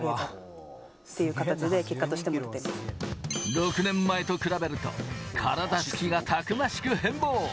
６年前と比べると、体つきがたくましく変貌。